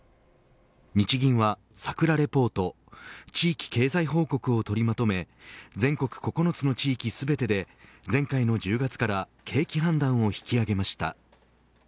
日銀は、さくらレポート地域経済報告を取りまとめ全国９つの地域、全てで前回の１０月から景気判断を引き上げました。